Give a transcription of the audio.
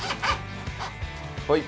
はい。